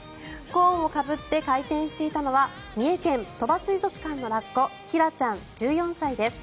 コーンをかぶって回転していたのは三重県・鳥羽水族館のラッコキラちゃん、１４歳です。